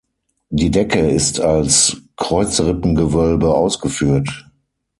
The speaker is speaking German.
Die Decke ist als Kreuzrippengewölbe ausgeführt.